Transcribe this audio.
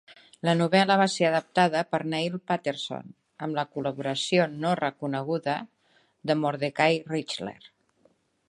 La novel·la va ser adaptada per Neil Paterson, amb la col·laboració no reconeguda de Mordecai Richler.